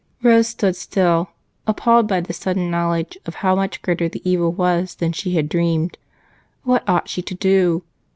Rose stood still, appalled by this sudden knowledge of how much greater the evil was than she had dreamed. What ought she to do?